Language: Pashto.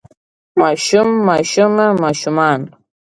ماشوم ماشومه ماشومان